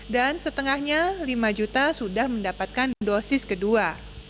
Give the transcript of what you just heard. dan setengahnya lima juta sudah mendapatkan dosis kedua